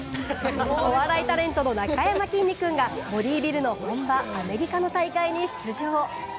お笑いタレントのなかやまきんに君がボディビルの本場・アメリカの大会に出場。